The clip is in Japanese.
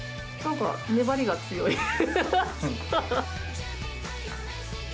なんか粘りが強い。